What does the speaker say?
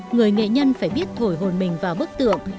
người nghệ nhân phải biết thổi hồn mình vào bức tượng